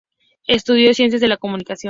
Estudió Ciencias de la Comunicación.